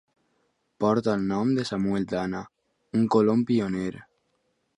Porta el nom de Samuel Dana, un colon pioner.